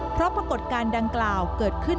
เพราะปรากฏการณ์ดังกล่าวเกิดขึ้น